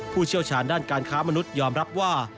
ผู้เชี่ยวชาญด้านการค้ามนุษยอมรับว่า